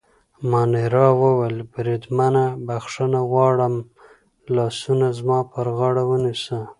مانیرا وویل: بریدمنه، بخښنه غواړم، لاسونه زما پر غاړه ونیسه.